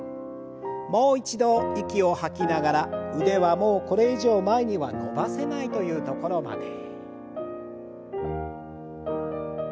もう一度息を吐きながら腕はもうこれ以上前には伸ばせないという所まで。